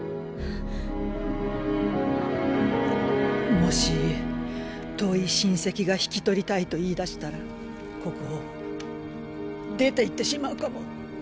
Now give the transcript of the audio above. もし遠い親戚が引き取りたいと言いだしたらここを出ていってしまうかも。